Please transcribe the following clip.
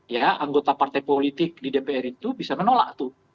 ya anggota partai politik di dpr itu bisa menolak tuh